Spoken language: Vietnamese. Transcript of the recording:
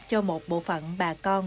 cho một bộ phận bà con